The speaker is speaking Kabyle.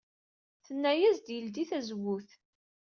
Tenna-as ad yeldey tazewwut.